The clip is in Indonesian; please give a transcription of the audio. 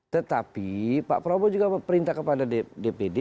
tetapi pak prabowo juga memperintah kepada dpd